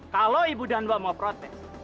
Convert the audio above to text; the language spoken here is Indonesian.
kalau ibu danba mau protes